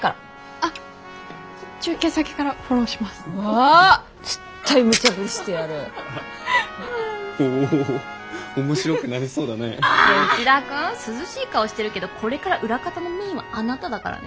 あ！ねえ内田君涼しい顔してるけどこれから裏方のメインはあなただからね。